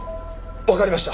わかりました！